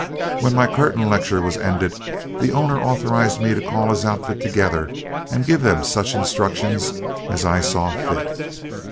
When my curtain lecture was ended, the owner authorized me to call his outfit together and give them such instructions as I saw fit.